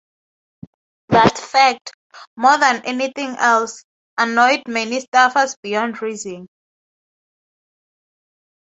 That fact, more than anything else, annoyed many staffers beyond reason.